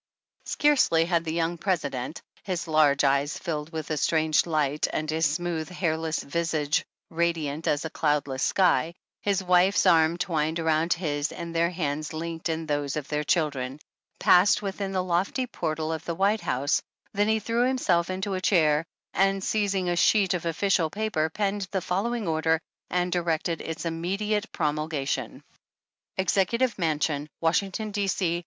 Scarcely had the young President — his large eyes filled with a strange light, and his smooth, hairless visage radiant as a cloudless sky, his wife's arm twined around his, and their hands linked in those of their children — passed within the lofty portal of the White House, than he threw himself into a chair, and seizing a sheet of official paper penned the fol lowing order, and directed its immediate promulga tion : Executive Mansion, Washington, D. C.